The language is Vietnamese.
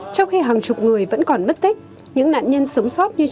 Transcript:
trong khi hàng chục người vẫn còn bất tích những nạn nhân sống sót như trịnh